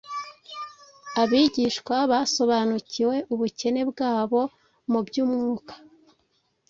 Abigishwa basobanuk iwe ubukene bwabo mu by’umwuka